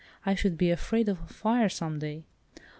I should be afraid of a fire some day."